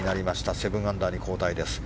７アンダーに後退です。